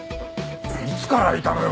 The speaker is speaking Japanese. いつからいたのよ？